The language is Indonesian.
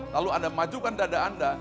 lalu anda majukan dada anda